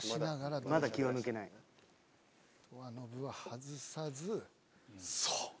ドアノブは外さずそう！